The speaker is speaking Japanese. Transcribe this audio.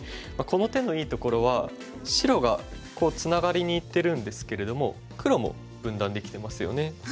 この手のいいところは白がこうツナがりにいってるんですけれども黒も分断できてますよね。